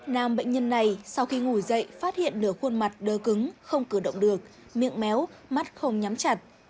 nam bệnh nhân này sau khi ngủ dậy phát hiện nửa khuôn mặt đơ cứng không cử động được miệng méo mắt không nhắm chặt